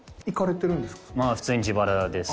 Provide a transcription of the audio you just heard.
まあ普通に自腹です。